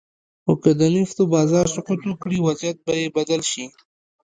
خو که د نفتو بازار سقوط وکړي، وضعیت به یې بدل شي.